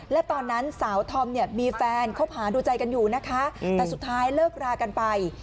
และตอนนั้นสาวธอมเนี่ยมีแฟนคบหาดูใจกันอยู่นะคะแต่สุดท้ายเลิกรากันไป